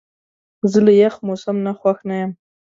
زه له یخ موسم نه خوښ نه یم.